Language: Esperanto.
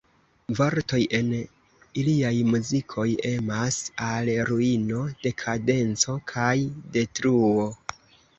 Vortoj en iliaj muzikoj emas al ruino, dekadenco kaj detruo.